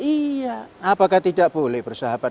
iya apakah tidak boleh bersahabat